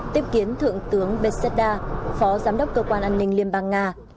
tiếp kiến thượng tướng bezuda phó giám đốc cơ quan an ninh liên bang nga